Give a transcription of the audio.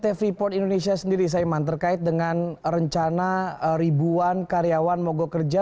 pt freeport indonesia sendiri saiman terkait dengan rencana ribuan karyawan mogok kerja